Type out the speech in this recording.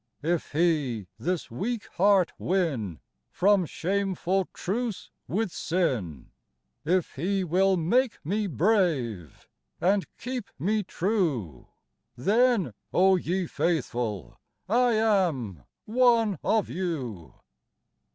If He this weak heart win From shameful truce with sin, If He will make me brave and keep me true, — Then, O ye f aithful, I am one of you